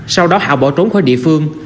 sau đó hảo bỏ trốn khỏi địa phương